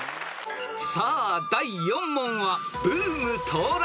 ［さあ第４問はブーム到来！